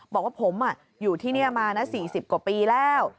บอกว่าผมอ่ะอยู่ที่เนี่ยมานะสี่สิบกว่าปีแล้ว